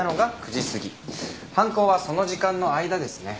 犯行はその時間の間ですね。